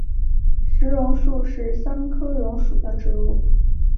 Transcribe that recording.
石榕树是桑科榕属的植物。